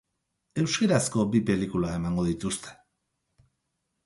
Euskerazko bi pelikula emango dituzte.